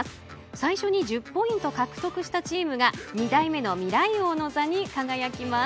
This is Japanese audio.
最初に１０ポイント獲得したチームが２代目の未来王の座に輝きます。